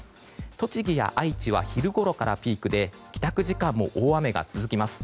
栃木や愛知は昼ごろからピークで帰宅時間も大雨が続きます。